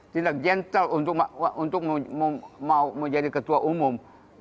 tidak gentle untuk mau menjadi ketua umum